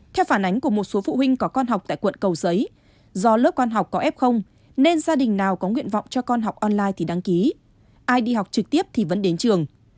theo phản ánh của một số phụ huynh có con học tại quận cầu giấy do lớp quan học có f nên gia đình nào có nguyện vọng cho con học online thì đăng ký ai đi học trực tiếp thì vẫn đến trường